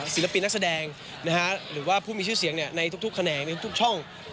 ศิลปินนักแสดงหรือว่าผู้มีชื่อเสียงในทุกแขนงในทุกช่อง